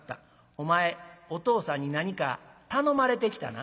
お前お父さんに何か頼まれて来たな」。